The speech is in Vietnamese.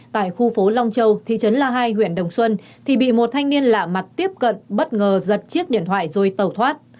tại khu phố long châu thị trấn la hai huyện đồng xuân thì bị một thanh niên lạ mặt tiếp cận bất ngờ giật chiếc điện thoại rồi tẩu thoát